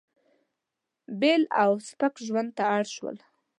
بېل او سپک ژوند ته اړ شول.